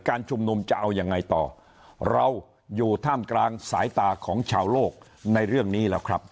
การชุมนุมจะเอายังไงต่อเราอยู่ท่ามกลางสายตาของชาวโลกในเรื่องนี้แล้วครับ